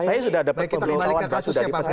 saya sudah dapat pembahasan dari pak doli